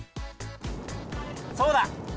そうだ！